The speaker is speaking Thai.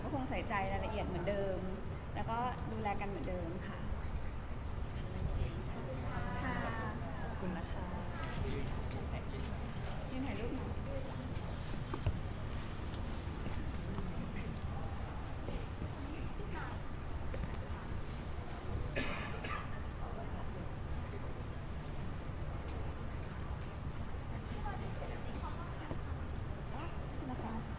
โปรดติดตามตอนต่อไป